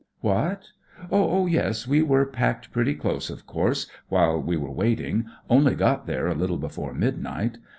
What ? Oh, yes, we were packed pretty close, of course, while we were waiting; only got there a little before midnight.